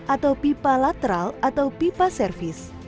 atau pipa lateral atau pipa servis